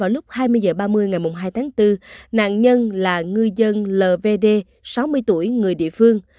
lúc hai mươi h ba mươi ngày hai tháng bốn nạn nhân là ngư dân lvd sáu mươi tuổi người địa phương